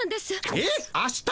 えっあした？